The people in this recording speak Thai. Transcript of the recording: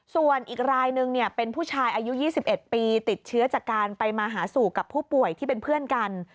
ส่วนอีกรายนึงเป็นผู้ชายอายุ๒๑ปีติดเชื้อจากการไปมาหาสู่กับผู้ป่วยที่เป็นเพื่อนกัน